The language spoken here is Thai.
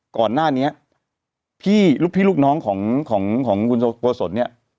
ก่อนหน้านี้พี่ลูกพี่ลูกน้องของคุณโกศลเนี่ย